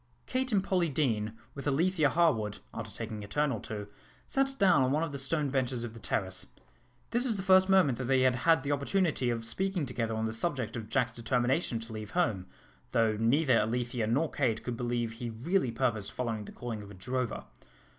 Kate and Polly Deane, with Alethea Harwood, after taking a turn or two, sat down on one of the stone benches on the terrace. This was the first moment that they had had the opportunity of speaking together on the subject of Jack's determination to leave home, though neither Alethea nor Kate could believe he really purposed following the calling of a drover.